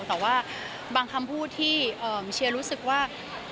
แต่ว่าบางคำพูดที่เชียร์รู้สึกว่า